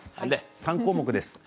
３項目です。